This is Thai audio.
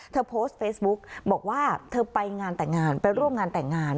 โพสต์เฟซบุ๊กบอกว่าเธอไปงานแต่งงานไปร่วมงานแต่งงาน